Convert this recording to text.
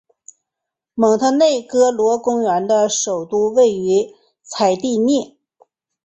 蒙特内哥罗公国的首都位于采蒂涅。